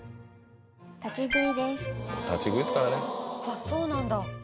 あっそうなんだ